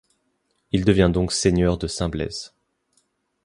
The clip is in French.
Il devient donc seigneur de Saint-Blaise.